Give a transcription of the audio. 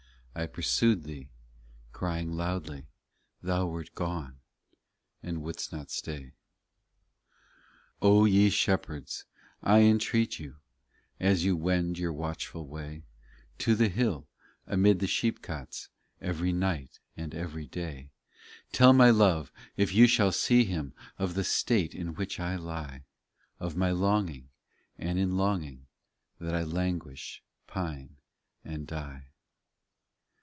I pursued Thee, crying loudly, Thou wert gone, and wouldest not stay. 2 O ye shepherds, I entreat you, As you wend your watchful way, To the hill, amid the sheepcots Every night and every day, Tell my love, if you shall see him, Of the state in which I lie, Of my longing, and in longing That I languish, pine, and die.